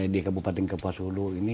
di kabupaten kapuas hulu ini